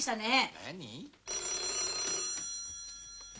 何？